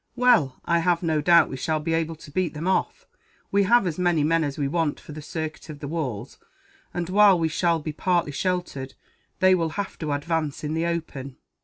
"Well, I have no doubt we shall be able to beat them off. We have as many men as we want for the circuit of the walls and, while we shall be partly sheltered, they will have to advance in the open."